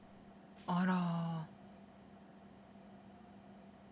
あら。